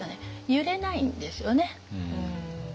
揺れないんですよね。